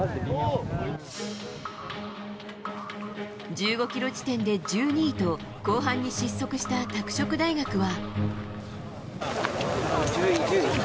１５ｋｍ地点で１２位と後半に失速した拓殖大学は。